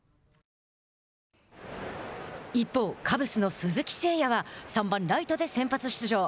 一方、カブスの鈴木誠也は３番、ライトで先発出場。